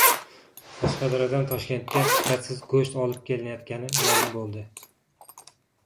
Qashqadaryodan Toshkentga sifatsiz go‘sht olib kelinayotgani ma’lum bo‘ldi